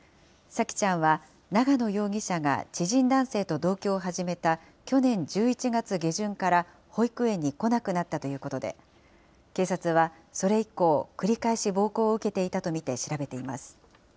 沙季ちゃんは長野容疑者が知人男性と同居を始めた去年１１月下旬から保育園に来なくなったということで、警察はそれ以降、繰り返し暴行を受けていたと見て調べています。